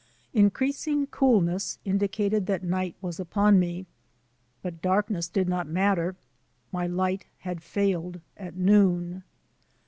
Increasing coolness indicated that night was upon me. But darkness did not matter, my light had failed at noon.